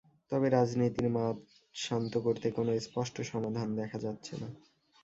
তবে রাজনীতির মাঠ শান্ত করতে কোনো স্পষ্ট সমাধান দেখা যাচ্ছে না।